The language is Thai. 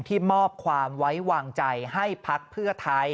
มอบความไว้วางใจให้พักเพื่อไทย